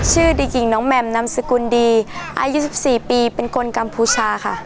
ชื่อดีกิ่งน้องแหม่มน้ำสกุลดีอายุ๑๔ปีเป็นคนกรรมภูชาค่ะ